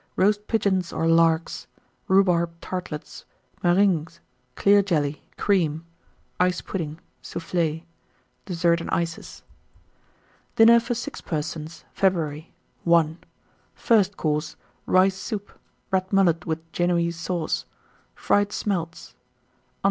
Roast Pigeons or Larks. Rhubarb Tartlets. Meringues. Clear Jelly. Cream. Ice Pudding. Soufflé. DESSERT AND ICES. 1913. DINNER FOR 6 PERSONS (February) I. FIRST COURSE. Rice Soup. Red Mullet, with Génoise Sauce. Fried Smelts.